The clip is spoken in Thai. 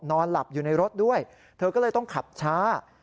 นอนหลับอยู่ในรถด้วยเธอก็เลยต้องขับช้า